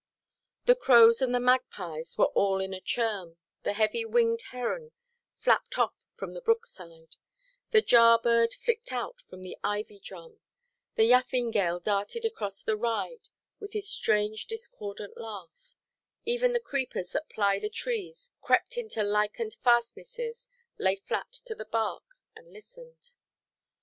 The crows and the magpies were all in a churm; the heavy–winged heron flapped off from the brook–side; the jar–bird flicked out from the ivy–drum; the yaffingale darted across the ride with his strange discordant laugh; even the creepers that ply the trees crept into lichened fastnesses, lay flat to the bark, and listened.